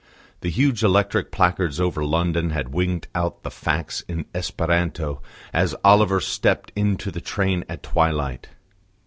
The huge electric placards over London had winked out the facts in Esperanto as Oliver stepped into the train at twilight.